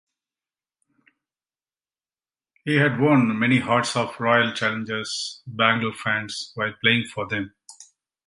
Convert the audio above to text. He had won many hearts of Royal Challengers Bangalore fans while playing for them.